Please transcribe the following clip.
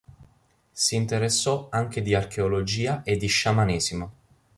Si interessò anche di archeologia e di sciamanesimo.